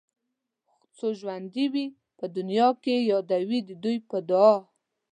څو ژوندي وي په دنيا کې يادوي دې په دعا